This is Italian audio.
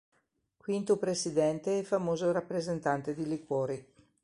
Quinto presidente e famoso rappresentante di liquori.